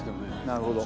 なるほど。